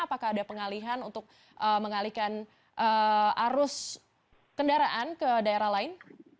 apakah ada pengalihan untuk mengalihkan arus kendaraan ke daerah lain